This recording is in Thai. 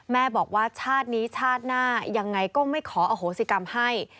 แม่บอกว่าชาตินี้ชาติหน้ายังไงก็ไม่ขออโหสิกรรมให้